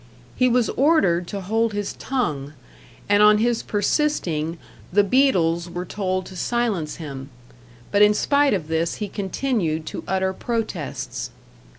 He was ordered to hold his tongue, and on his persisting the beadles were told to silence him, but in spite of this he continued to utter protests.